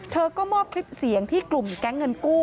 ก็มอบคลิปเสียงที่กลุ่มแก๊งเงินกู้